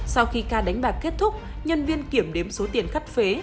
sau khi ca đánh bạc kết thúc nhân viên kiểm đếm số tiền cắt phế